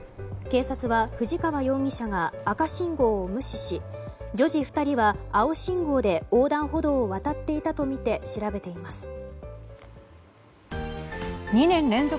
警察は藤川容疑者が赤信号を無視し女児２人は青信号で横断歩道を渡っていたとみて調べています。